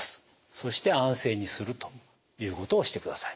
そして安静にするということをしてください。